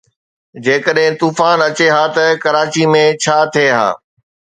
جيڪڏهن طوفان اچي ها ته ڪراچي ۾ ڇا ٿئي ها؟